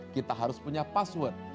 kita harus punya password